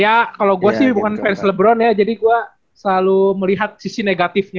ya kalau gue sih bukan fans lebron ya jadi gue selalu melihat sisi negatifnya